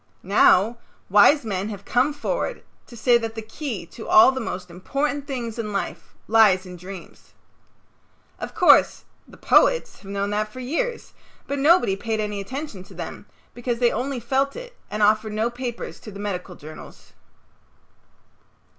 Now, wise men have come forward to say that the key to all the most important things in life lies in dreams. Of course, the poets have known that for years, but nobody paid any attention to them because they only felt it and offered no papers to the medical journals.